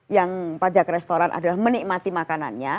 yang pajak restoran adalah menikmati makanannya